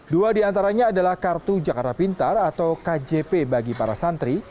dua diantaranya adalah kartu jakarta pintar atau kjp bagi para santri